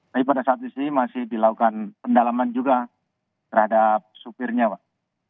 tapi pada saat di sini masih dilakukan pendalaman juga terhadap supirnya pak